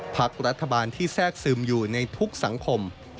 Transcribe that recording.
พักรัฐบาลที่แทรกซึมอยู่ในทุกสังคม